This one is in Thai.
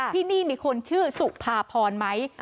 ที่นี่มีคนชื่อสุภาพรไหม